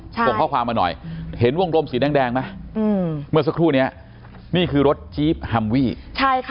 ส่งข้อความมาหน่อยเห็นวงโลมสีแดงไหมเมื่อสักครู่เนี่ยนี่คือรถจี๊บฮัมวี่